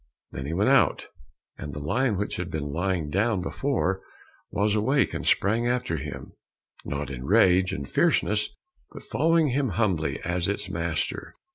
Then he went out, and the lion which had been lying down before, was awake and sprang after him, not in rage and fierceness, but following him humbly as its master.